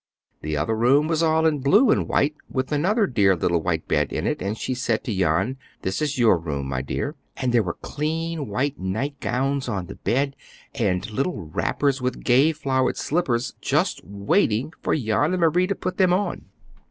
The other room was all in blue and white with another dear little white bed in it, and she said to Jan, "This is your room, my dear." And there were clean white night gowns on the beds, and little wrappers with gay flowered slippers, just waiting for Jan and Marie to put them on.